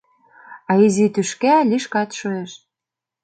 А изи тӱшка лишкат шуэш.